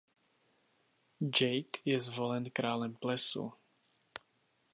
Jake je zvolen králem plesu.